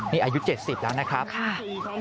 นี่อายุ๗๐แล้วนะครับค่ะ